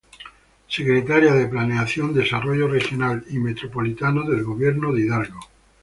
Secretaria de Planeación, Desarrollo Regional y Metropolitano del Gobierno de Hidalgo